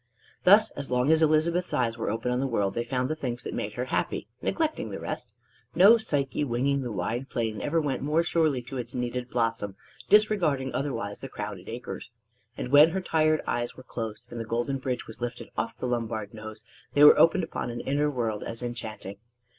Thus, as long as Elizabeth's eyes were open on the world, they found the things that made her happy, neglecting the rest. No psyche winging the wide plain ever went more surely to its needed blossom, disregarding otherwise the crowded acres. And when her tired eyes were closed and the golden bridge was lifted off the Lombard nose, they were opened upon an inner world as enchanting.